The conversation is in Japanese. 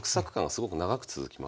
すごく長く続きます。